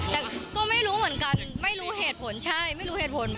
แต่ก็ไม่รู้เหมือนกันไม่รู้เหตุผลใช่ไม่รู้เหตุผล